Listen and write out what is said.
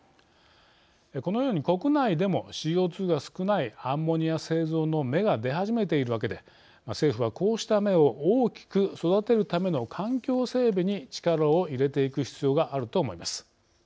このように国内でもＣＯ２が少ないアンモニア製造の芽が出始めているわけで政府はこうした芽を大きく育てるための環境整備に力を入れていく必要があると思います。